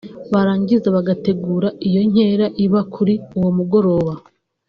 barangiza bagategura iyo nkera iba kuri uwo mugoroba